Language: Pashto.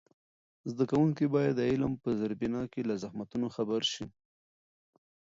زده کوونکي باید د علم په زېربنا کې له زحمتونو خبر سي.